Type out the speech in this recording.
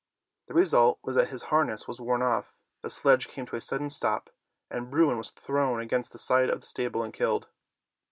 The result was that his har ness was torn off, the sledge came to a sudden stop, and Bruin was thrown against the side of the stable and killed.